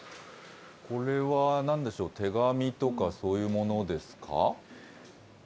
これはなんでしょう、手紙とか、そういうものですか？